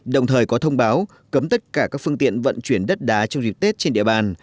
đồng thời có thông báo cấm tất cả các phương tiện vận chuyển đất đá trong dịp tết trên địa bàn